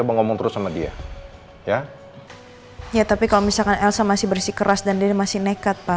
ngomong terus sama dia ya ya tapi kalau misalkan elsa masih bersih keras dan dia masih nekat pak